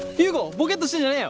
ボケっとしてんじゃねえよ！